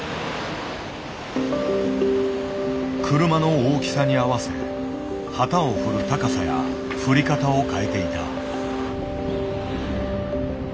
車の大きさに合わせ旗を振る高さや振り方を変えていた。